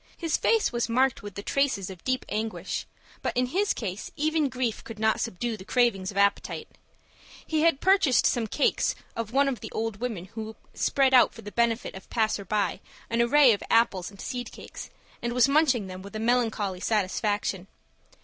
His face was marked with the traces of deep anguish; but in his case even grief could not subdue the cravings of appetite. He had purchased some cakes of one of the old women who spread out for the benefit of passers by an array of apples and seed cakes, and was munching them with melancholy satisfaction.